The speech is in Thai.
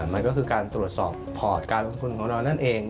มันก็คือการตรวจสอบพอร์ตการลงทุนของเรานั่นเอง